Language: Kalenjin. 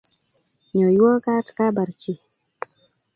nyoiwakat kabar chi